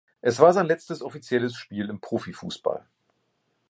Es war sein letztes offizielles Spiel im Profifußball.